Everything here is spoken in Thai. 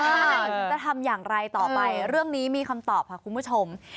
ฉันจะทำอย่างไรต่อไปเรื่องนี้มีคำตอบค่ะคุณผู้ชม